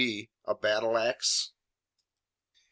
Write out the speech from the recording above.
D., a battle axe?"